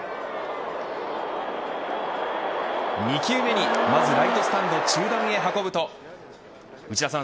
２球目に、まずライトスタンド中段へ運ぶと内田さん